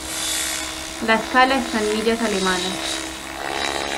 La escala está en millas alemanas.